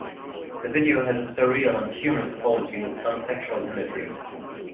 The video has a surreal and humorous quality with some sexual imagery.